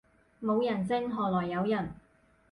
冇人性何來有人